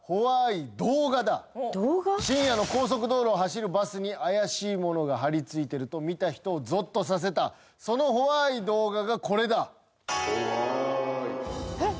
深夜の高速道路を走るバスに怪しいものが張り付いてると見た人をゾッとさせたそのほわい動画がこれだえっ